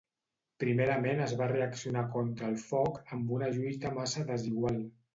Primerament es va reaccionar contra el foc amb una lluita massa desigual.